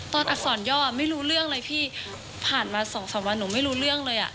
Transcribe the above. อักษรย่อไม่รู้เรื่องเลยพี่ผ่านมาสองสามวันหนูไม่รู้เรื่องเลยอ่ะ